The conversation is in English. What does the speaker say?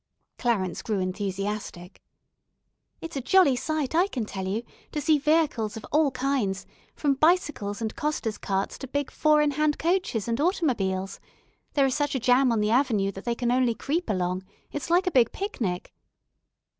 Clarence grew enthusiastic. "It's a jolly sight, I can tell you, to see vehicles of all kinds, from bicycles and coster's carts to big four in hand coaches and automobiles. There is such a jam on the avenue that they can only creep along; it's like a big picnic."